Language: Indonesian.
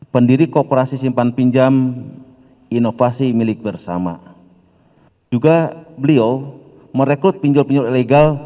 pendiri kooperasi simpan pinjam inovasi milik bersama